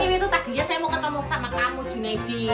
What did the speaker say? ini tuh tadi ya saya mau ketemu sama kamu junedi